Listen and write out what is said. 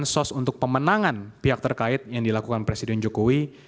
sos untuk pemenangan pihak terkait yang dilakukan presiden jokowi